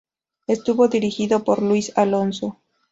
Estuvo dirigido por Luis Alonso.